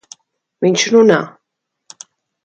Viņš runā!